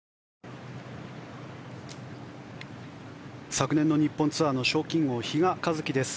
昨年の日本ツアーの賞金王、比嘉一貴です。